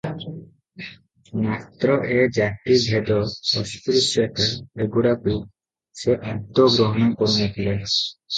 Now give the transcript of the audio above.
ମାତ୍ର ଏ ଜାତି ଭେଦ- ଅସ୍ପୃଶ୍ୟତା ଏ ଗୁଡ଼ାକୁ ସେ ଆଦୌ ଗ୍ରହଣ କରୁ ନ ଥିଲେ ।